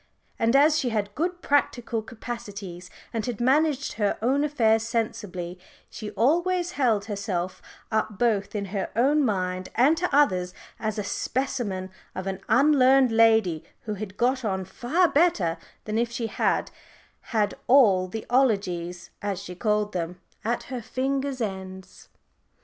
And as she had good practical capacities, and had managed her own affairs sensibly, she always held herself up both in her own mind and to others as a specimen of an _un_learned lady who had got on far better than if she had had all the "'ologies," as she called them, at her fingers' ends.